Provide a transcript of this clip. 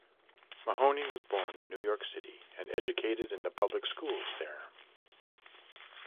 Mahoney was born in New York City and educated in the public schools there.